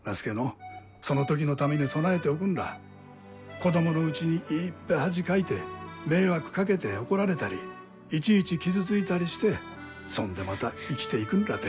子供のうちにいっぺえ恥かいて迷惑かけて怒られたりいちいち傷ついたりしてそんでまた生きていくんらて。